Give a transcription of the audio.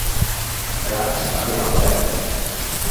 রাজ তাকে বাঁচায়।